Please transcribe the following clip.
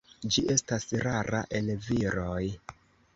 Ĝi estas rara en viroj.